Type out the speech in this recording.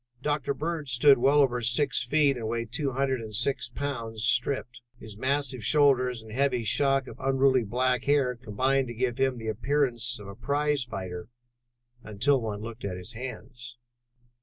Dr. Bird stood well over six feet and weighed two hundred and six pounds stripped: his massive shoulders and heavy shock of unruly black hair combined to give him the appearance of a prize fighter until one looked at his hands.